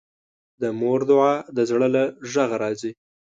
د مور دعا د زړه له غږه راځي